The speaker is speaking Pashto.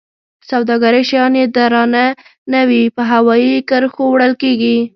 د سوداګرۍ شیان چې درانه نه وي په هوایي کرښو وړل کیږي.